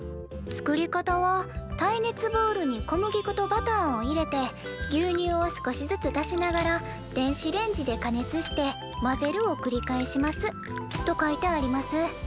「作り方は耐熱ボウルに小麦粉とバターを入れて牛乳を少しずつ足しながら電子レンジで加熱して混ぜるをくり返します」と書いてあります。